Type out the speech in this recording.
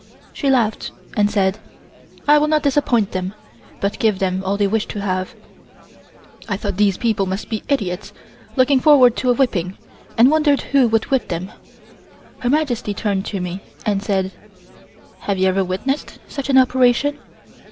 She laughed and said: "I will not disappoint them, but give them all they wish to have." I thought these people must be idiots, looking forward to a whipping, and wondered who would whip them. Her Majesty turned to me and said: "Have you ever witnessed such an operation?"